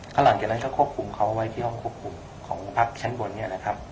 แล้วหลังจากนั้นก็ควบคุมเขาไว้ที่ห้องควบคุมของพักชั้นบนเนี่ยนะครับ